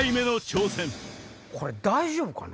これ大丈夫かな？